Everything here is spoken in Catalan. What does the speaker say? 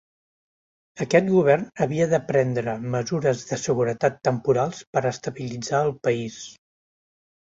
Aquest govern havia de prendre mesures de seguretat temporals per estabilitzar el país.